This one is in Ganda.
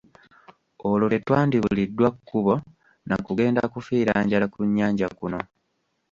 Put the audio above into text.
Olwo tetwandibuliddwa kkubo na kugenda kufiira njala ku nnyanja kuno.